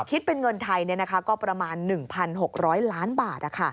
คิดเป็นเงินไทยก็ประมาณ๑๖๐๐ล้านบาท